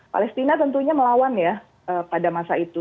palestina tentunya melawan ya pada masa itu